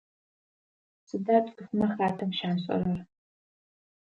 Сыда цӏыфмэ хатэм щашӏэрэр?